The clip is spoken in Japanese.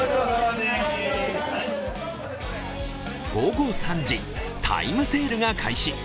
午後３時、タイムセールが開始。